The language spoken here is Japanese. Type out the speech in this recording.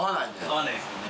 合わないですよね。